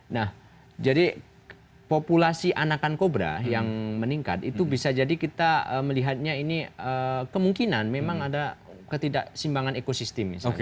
nah jadi populasi anakan kobra yang meningkat itu bisa jadi kita melihatnya ini kemungkinan memang ada ketidaksimbangan ekosistem misalnya